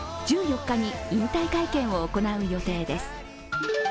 １４日に引退会見を行う予定です。